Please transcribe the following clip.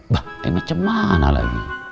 bah eh macem mana lagi